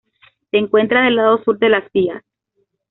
Se encuentra del lado sur de las vías.